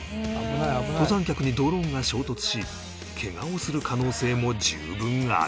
登山客にドローンが衝突しけがをする可能性も十分ある